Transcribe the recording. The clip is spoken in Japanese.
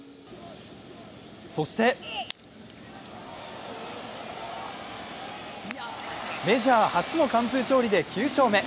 そしてメジャー初の完封勝利で９勝目。